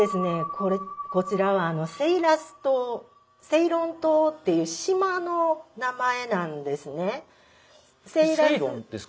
これこちらはセイラス島セイロン島っていう島の名前なんですね。